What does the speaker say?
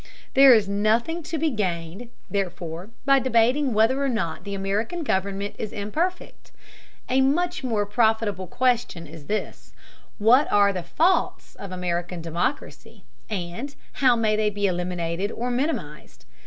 There is nothing to be gained, therefore, by debating whether or not American government is imperfect. A much more profitable question is this: What are the faults of American democracy, and how may they be eliminated or minimized?